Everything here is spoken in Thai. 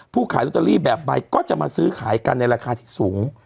ขายลอตเตอรี่แบบใบก็จะมาซื้อขายกันในราคาที่สูง